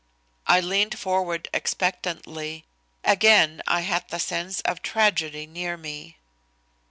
I leaned forward expectantly. Again I had the sense of tragedy near me.